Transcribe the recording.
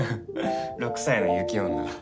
６歳の雪女。